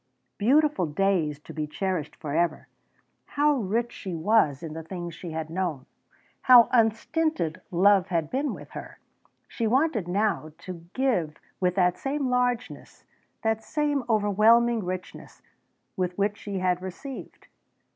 Beautiful days to be cherished forever! How rich she was in the things she had known! How unstinted love had been with her! She wanted now to give with that same largeness, that same overwhelming richness, with which she had received.